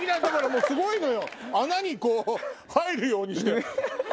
もうすごいのよ穴に入るようにして。